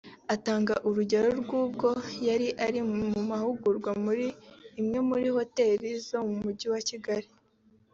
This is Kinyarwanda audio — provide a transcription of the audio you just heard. Atanga urugero rw’ubwo yari ari mu mahugurwa muri imwe muri hoteli zo mu Mujyi wa Kigali